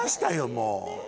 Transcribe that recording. もう。